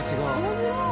面白い。